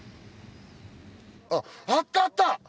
あっあったあった！